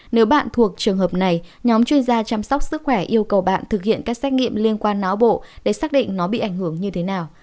nếu bạn thuộc trường hợp này nhóm chuyên gia chăm sóc sức khỏe yêu cầu bạn thực hiện các xét nghiệm liên quan não bộ để xác định nó bị ảnh hưởng như thế nào